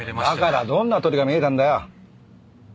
だからどんな鳥が見れたんだよ！